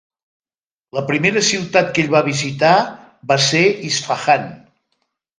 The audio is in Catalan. La primera ciutat que ell va visitar va ser Isfahan.